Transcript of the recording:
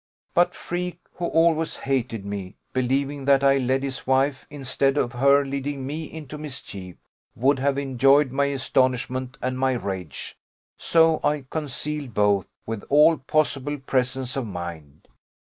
But Freke, who always hated me, believing that I led his wife, instead of her leading me into mischief, would have enjoyed my astonishment and my rage; so I concealed both, with all possible presence of mind.